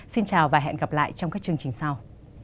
xin chào và hẹn gặp lại trong các chương trình sau